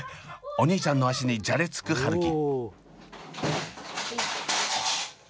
お兄ちゃんの足にじゃれつく春輝。